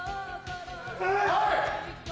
はい！